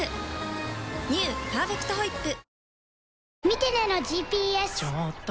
「パーフェクトホイップ」